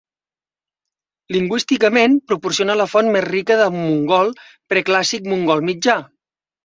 Lingüísticament, proporciona la font més rica de mongol preclàssic mongol mitjà.